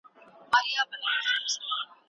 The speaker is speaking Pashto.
زاړه ملګري د سرو زرو په څېر دي.